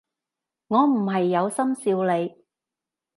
我唔係有心笑你